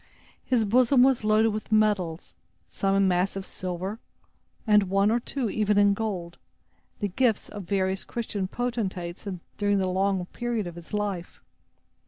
His bosom was loaded with medals, some in massive silver, and one or two even in gold, the gifts of various Christian potentates during the long period of his life.